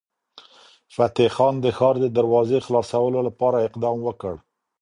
فتح خان د ښار د دروازې خلاصولو لپاره اقدام وکړ.